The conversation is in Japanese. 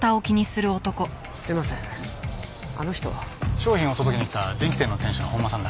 商品を届けに来た電気店の店主の本間さんだ。